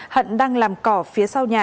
hận đang làm cỏ phía sau nhà